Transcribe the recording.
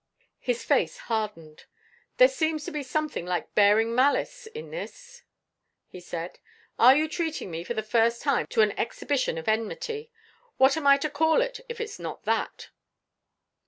His face hardened. "There seems to be something like bearing malice in this," he said. "Are you treating me, for the first time, to an exhibition of enmity? What am I to call it, if it's not that?"